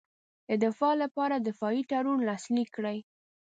د دفاع لپاره دفاعي تړون لاسلیک کړي.